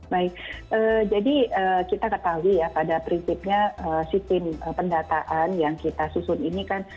baik jadi kita ketahui ya pada prinsipnya sistem pendataan yang kita susun ini kan